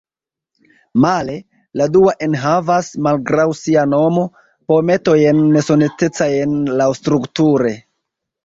Male, la dua enhavas, malgraŭ sia nomo, poemetojn nesonetecajn laŭstrukture.